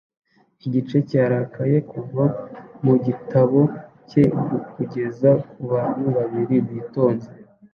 igice cyarakaye kuva mu gitabo cye kugeza kubantu babiri bitonze